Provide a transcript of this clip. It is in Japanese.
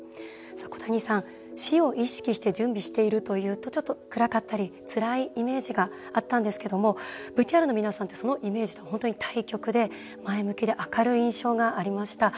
小谷さん、死を意識して準備しているというとちょっと暗かったりつらいイメージがあったんですけどもＶＴＲの皆さんってそのイメージとは本当に対極で前向きで明るい印象がありました。